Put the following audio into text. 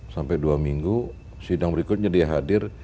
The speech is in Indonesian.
sampai dua minggu sidang berikutnya dia hadir